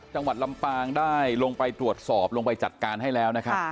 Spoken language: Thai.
จังหวัดลำปางได้ลงไปตรวจสอบลงไปจัดการให้แล้วนะครับ